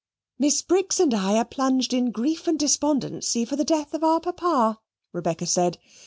"Miss Briggs and I are plunged in grief and despondency for the death of our Papa," Rebecca said.